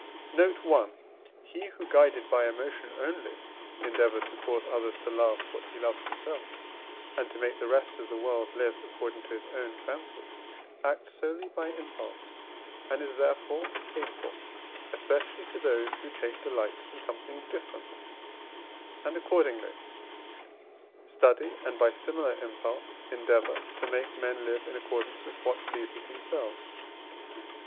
Note I. He who, guided by emotion only, endeavours to cause others to love what he loves himself, and to make the rest of the world live according to his own fancy, acts solely by impulse, and is, therefore, hateful, especially, to those who take delight in something different, and accordingly study and, by similar impulse, endeavour, to make men live in accordance with what pleases themselves.